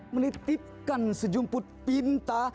menitipkan sejumput pinta